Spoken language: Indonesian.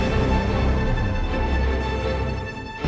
mereka mengetahui soal agus rimba